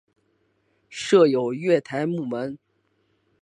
设有月台幕门。